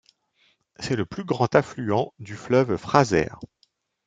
C'est le plus grand affluent du fleuve Fraser.